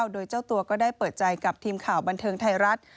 โดยเจ้าตัวก็ได้เปิดใจกับทีมข่าวบันเทิงไทยรัฐ